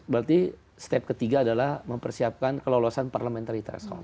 berarti step ketiga adalah mempersiapkan kelolosan parliamentary threshold